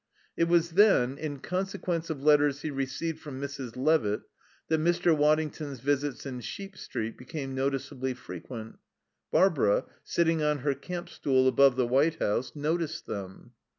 It was then, in consequence of letters he received from Mrs. Levitt, that Mr. Waddington's visits in Sheep Street became noticeably frequent. Barbara, sitting on her camp stool above the White House, noticed them.